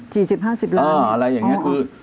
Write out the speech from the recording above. สี่สิบห้าสิบร้านอ่าอะไรอย่างเงี้ยคืออ๋อ